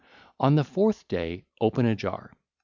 819 821) On the fourth day open a jar.